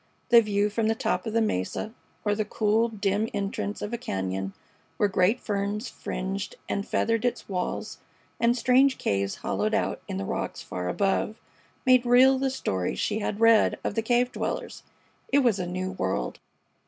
The view from the top of the mesa, or the cool, dim entrance of a cañon where great ferns fringed and feathered its walls, and strange caves hollowed out in the rocks far above, made real the stories she had read of the cave dwellers. It was a new world.